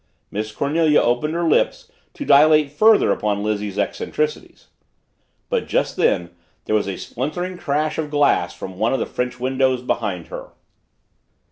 Miss Cornelia opened her lips to dilate further upon Lizzie's eccentricities. But just then there was a splintering crash of glass from one of the French windows behind her!